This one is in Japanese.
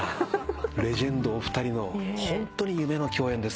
レジェンドお二人のホントに夢の共演ですね。